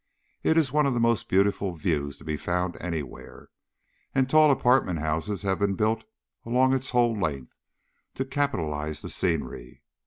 It is one of the most beautiful views to be found anywhere, and tall apartment houses have been built along its whole length to capitalize the scenery.